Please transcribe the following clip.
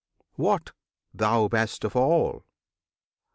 What, Thou Best of All!